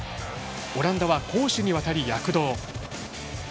オランダは攻守にわたり躍動。